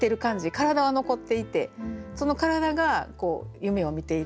体は残っていてその体が夢を見ている。